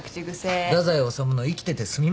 太宰治の「生きててすみません」